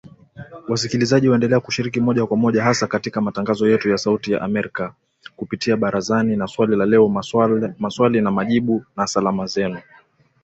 Wasikilizaji waendelea kushiriki moja kwa moja hasa katika matangazo yetu ya Sauti ya amerka kupitia Barazani na Swali la Leo Maswali na Majibu na Salamu Zenu